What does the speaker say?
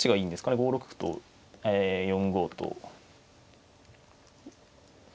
５六と４五と。